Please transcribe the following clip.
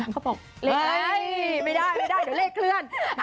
เขาพบไม่ได้เดี๋ยวเลขเคลื่อน